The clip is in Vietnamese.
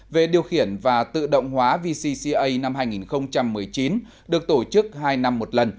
về điều khiển và tự động hóa vcca năm hai nghìn một mươi chín được tổ chức hai năm một lần